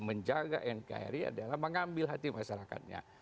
menjaga nkri adalah mengambil hati masyarakatnya